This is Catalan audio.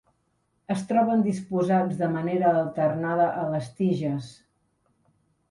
Es troben disposats de manera alternada a les tiges.